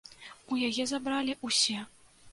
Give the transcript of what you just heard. У яе забралі ўсе.